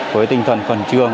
với tinh thần phần trường